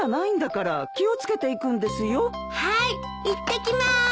いってきまーす。